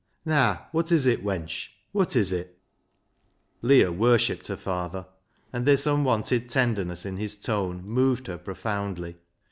Naa, wot is it, wench, wot is it ?" Leah worshipped her father, and this un wonted tenderness in his tone moved her profoundly.